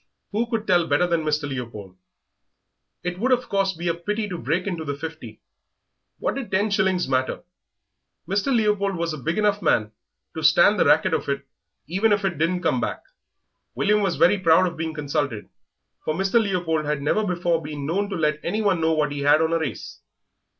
Who could tell better than Mr. Leopold? It would, of course, be a pity to break into the fifty. What did ten shillings matter? Mr. Leopold was a big enough man to stand the racket of it even if it didn't come back. William felt very proud of being consulted, for Mr. Leopold had never before been known to let anyone know what he had on a race.